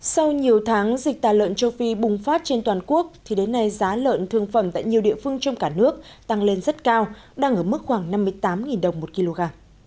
sau nhiều tháng dịch tà lợn châu phi bùng phát trên toàn quốc thì đến nay giá lợn thương phẩm tại nhiều địa phương trong cả nước tăng lên rất cao đang ở mức khoảng năm mươi tám đồng một kg